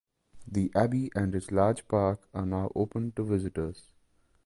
The abbey and its large park are now open to visitors.